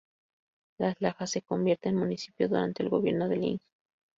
Las Lajas se convierte en municipio durante el gobierno del Ing.